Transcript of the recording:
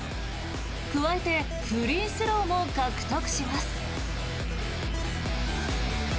加えてフリースローも獲得します。